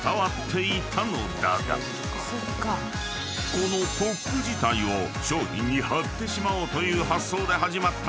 ［このＰＯＰ自体を商品に貼ってしまおうという発想で始まった］